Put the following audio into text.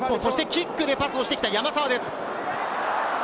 キックでパスをしてきた山沢です。